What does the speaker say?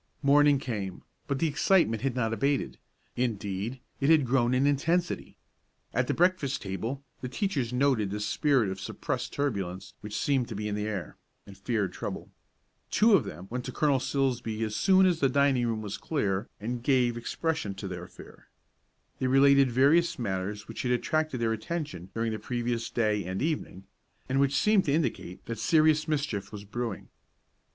Morning came, but the excitement had not abated, indeed, it had grown in intensity. At the breakfast table the teachers noted the spirit of suppressed turbulence which seemed to be in the air, and feared trouble. Two of them went to Colonel Silsbee as soon as the dining room was clear, and gave expression to their fear. They related various matters which had attracted their attention during the previous day and evening, and which seemed to indicate that serious mischief was brewing.